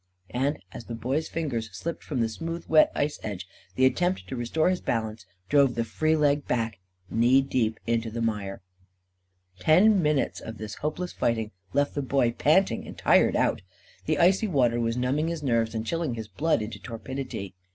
And, as the Boy's fingers slipped from the smoothly wet ice edge, the attempt to restore his balance drove the free leg back, knee deep into the mire. Ten minutes of this hopeless fighting left the Boy panting and tired out. The icy water was numbing his nerves and chilling his blood into torpidity.